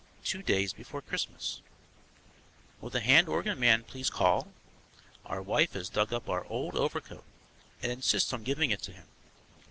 TWO DAYS BEFORE CHRISTMAS Will the hand organ man please call? Our wife has dug up our old overcoat and insists on giving it to him.